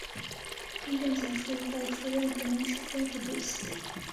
抗战结束后出任湖南省政府主席。